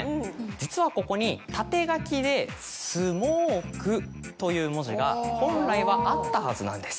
実はここに縦書きで「すもーく」という文字が本来はあったはずなんです。